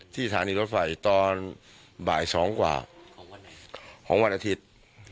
ที่ฐานีรถไฟตอนบ่ายสองกว่าของวันอาทิตย์